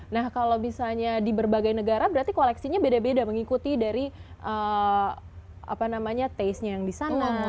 nah kalau misalnya di berbagai negara berarti koleksinya beda beda mengikuti dari taste nya yang di sana